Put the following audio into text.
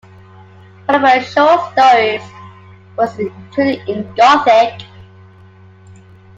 One of her short stories was included in Gothic!